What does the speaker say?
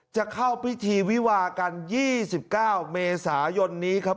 จะเข้าพิธีวิวากัน๒๙เมษายนนี้ครับ